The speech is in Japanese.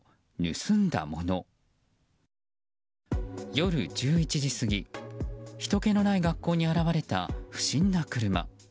夜１１時過ぎ、ひとけのない学校に現れた不審な車。